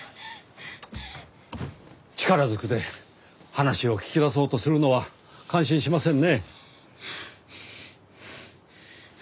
力ずくで話を聞き出そうとするのは感心しませんね。